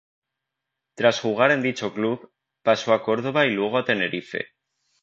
Tras jugar en dicho club, pasó a Córdoba y luego a Tenerife.